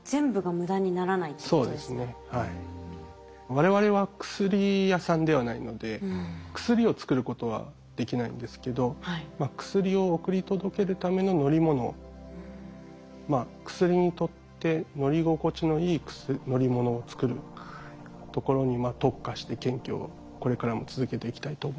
我々は薬屋さんではないので薬を作ることはできないんですけど薬を送り届けるための乗り物薬にとって乗り心地のいい乗り物を作るところに特化して研究をこれからも続けていきたいと思います。